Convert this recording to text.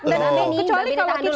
kecuali kalau kita